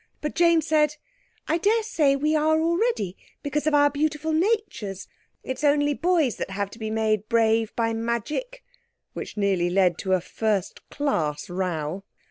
But Jane said, "I daresay we are already because of our beautiful natures. It's only boys that have to be made brave by magic"—which nearly led to a first class row.